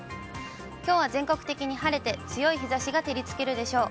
きょうは全国的に晴れて、強い日ざしが照りつけるでしょう。